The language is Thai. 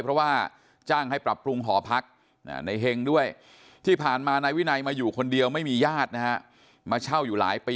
เพราะว่าจ้างให้ปรับปรุงหอพักในเห็งด้วยที่ผ่านมาในวินัยมาอยู่คนเดียวไม่มีญาตินะครับ